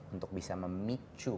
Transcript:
untuk bisa memicu